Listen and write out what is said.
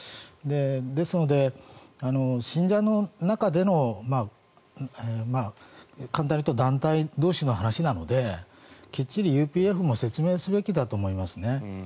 ですので、信者の中での簡単に言うと団体同士の話なのできっちりＵＰＦも説明すべきだと思いますね。